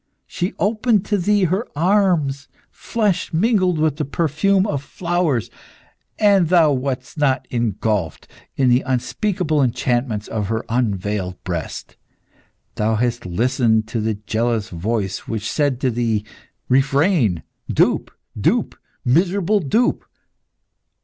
She opened to thee her arms flesh mingled with the perfume of flowers and thou wast not engulfed in the unspeakable enchantments of her unveiled breast. Thou hast listened to the jealous voice which said to thee, 'Refrain!' Dupe, dupe, miserable dupe!